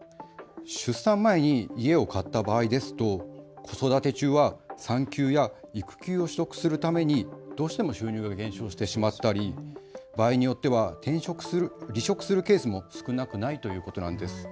出産前に家を買った場合ですと子育て中は産休や育休を取得するためにどうしても収入が減少してしまったり場合によっては転職する、離職するケースも少なくないということなんです。